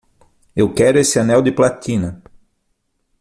Eu quero esse anel de platina!